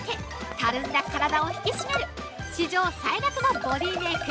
たるんだ体を引き締める史上最楽のボディーメイク。